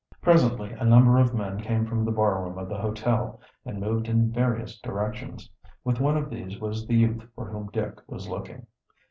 Presently a number of men came from the bar room of the hotel and moved in various directions. With one of these was the youth for whom Dick was looking.